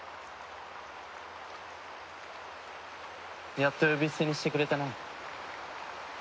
やっと呼び捨てにしてくれたな。